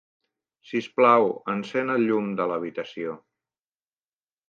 Sisplau, encén el llum de l'habitació.